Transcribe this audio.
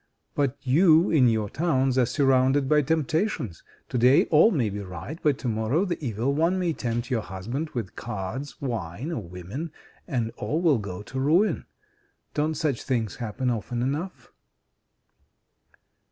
But you, in your towns, are surrounded by temptations; today all may be right, but tomorrow the Evil One may tempt your husband with cards, wine, or women, and all will go to ruin. Don't such things happen often enough?"